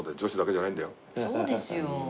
そうですよ。